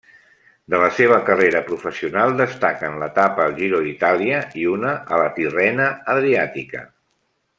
De la seva carrera professional destaquen l'etapa al Giro d'Itàlia i una a la Tirrena-Adriàtica.